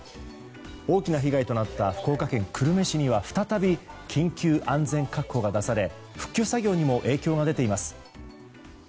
大きな被害となった福岡県久留米市には再び緊急安全確保が出され復旧作業にも影響が出ています。